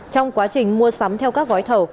trong quá trình mua sắm theo các gói thầu